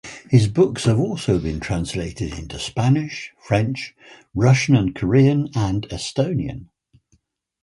His books have also been translated into Spanish, French, Russian and Korean and Estonian.